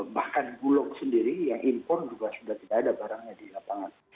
bahkan bulog sendiri yang impor juga sudah tidak ada barangnya di lapangan